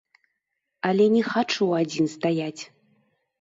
Але не хачу адзін стаяць.